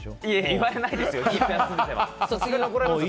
言われないですよ。